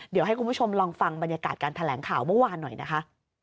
เดี๋ยวให้คุณผู้ชมลองฟังบรรยากาศการแถลงข่าวเมื่อวานหน่อยนะคะ